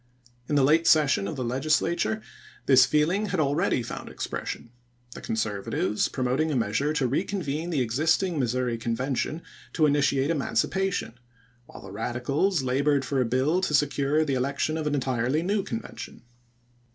In the late session of the Legislature, this feeling had al ready found expression ; the Conservatives promo ting a measure to reconvene the existing Missouri Convention to initiate emancipation, while the Radicals labored for a bill to secure the election of an entirely new Convention.